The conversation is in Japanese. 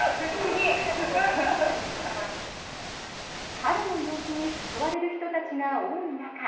春の陽気に誘われる人たちが多い中